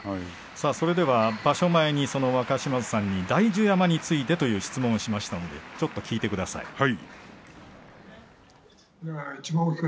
それでは場所前に若嶋津さんに、太寿山についてという質問をしましたので聞いてください。